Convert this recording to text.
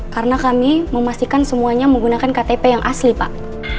karena kami memastikan semuanya menggunakan ktp yang asli pak